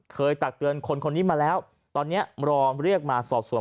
ตักเตือนคนคนนี้มาแล้วตอนนี้รอเรียกมาสอบส่วน